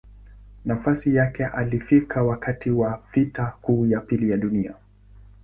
Nafasi yake alifika wakati wa Vita Kuu ya Pili ya Dunia.